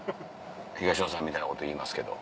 東野さんみたいなこと言いますけど。